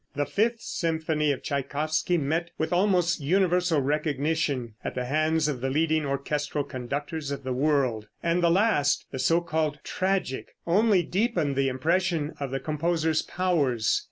The fifth symphony of Tschaikowsky met with almost universal recognition at the hands of the leading orchestral conductors of the world; and the last, the so called "Tragic," only deepened the impression of the composer's powers.